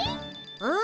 うん。